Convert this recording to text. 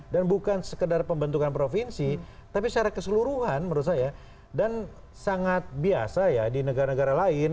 dan bukan sekedar pembentukan provinsi tapi secara keseluruhan menurut saya dan sangat biasa ya di negara negara lain